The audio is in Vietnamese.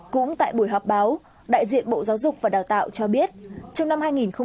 cũng tại buổi họp báo đại diện bộ giáo dục và đào tạo cho biết trong năm hai nghìn một mươi chín